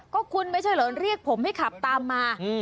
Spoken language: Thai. ก็คุณไม่ใช่เหรอเรียกผมให้ขับตามมา